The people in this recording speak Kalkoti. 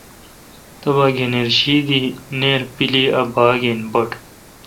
تبا گنیر شی دی نییرپیلی ا باگ اے°بٹ۔